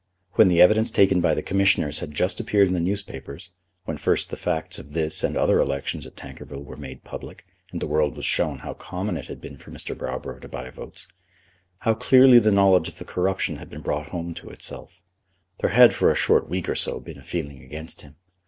When the evidence taken by the Commissioners had just appeared in the newspapers, when first the facts of this and other elections at Tankerville were made public, and the world was shown how common it had been for Mr. Browborough to buy votes, how clearly the knowledge of the corruption had been brought home to himself, there had for a short week or so been a feeling against him.